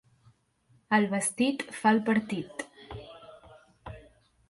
El vestit fa el partit.